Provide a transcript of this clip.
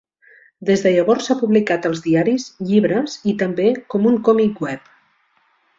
Des de llavors, s"ha publicat als diaris, llibres i també com un còmic web.